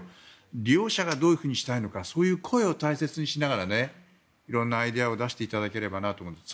利用者がどういうふうにしたいのかそういう声を大事にしながら色んなアイデアを出していただければと思います。